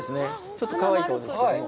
ちょっとかわいい顔ですけども。